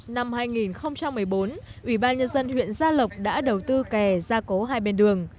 năm hai nghìn một mươi bốn ủy ban nhân dân huyện gia lộc đã đầu tư kè gia cố hai bên đường